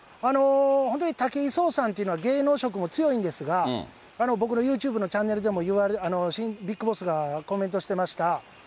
本当に武井壮さんというのは、芸能色も強いんですが、僕のユーチューブのチャンネルでも、ビッグボスがコメントしてました。